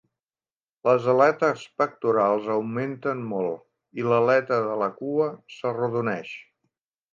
Les aletes pectorals augmenten molt i l'aleta de la cua s'arrodoneix.